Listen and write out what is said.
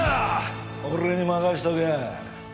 俺に任せとけ。